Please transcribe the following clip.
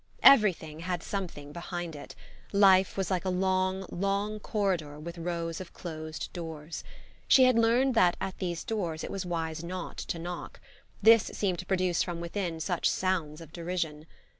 Everything had something behind it: life was like a long, long corridor with rows of closed doors. She had learned that at these doors it was wise not to knock this seemed to produce from within such sounds of derision.